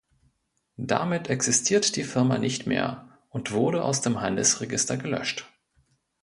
Damit existiert die Firma nicht mehr und wurde aus dem Handelsregister gelöscht.